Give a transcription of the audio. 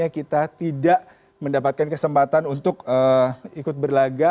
kita tidak mendapatkan kesempatan untuk ikut berlaga